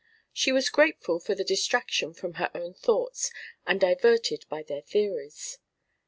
She was grateful for the distraction from her own thoughts and diverted by their theories.